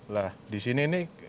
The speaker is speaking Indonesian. lah di sini ini